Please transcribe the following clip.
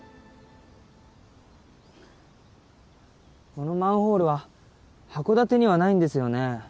このマンホールは函館にはないんですよね。